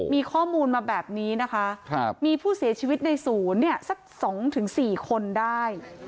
มีข้อมูลมาแบบนี้นะคะมีผู้เสียชีวิตในศูนย์เนี่ยสัก๒๔คนได้